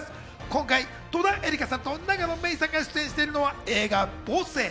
今回、戸田恵梨香さんと永野芽郁さんが出演しているのは映画『母性』。